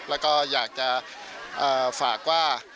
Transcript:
แล้วก็อยากจะฝากว่า